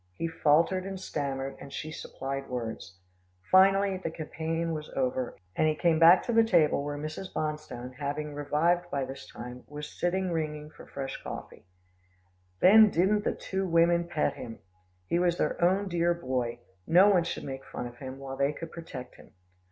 He faltered and stammered, and she supplied words. Finally, the campaign was over, and he came back to the table where Mrs. Bonstone, having revived by this time, was sitting ringing for fresh coffee. Then didn't the two women pet him! He was their own dear boy, no one should make fun of him, while they could protect him.